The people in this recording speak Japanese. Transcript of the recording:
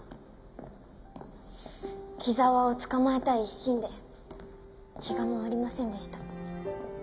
木沢を捕まえたい一心で気が回りませんでした。